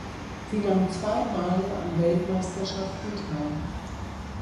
Sie nahm zweimal an Weltmeisterschaften teil.